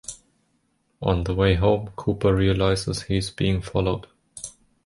On the way home, Cooper realizes he is being followed.